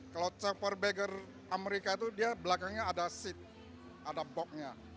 kalau checkpore bager amerika itu dia belakangnya ada seat ada boxnya